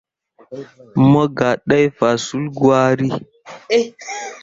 Mo gah ɗai faswulli gwari.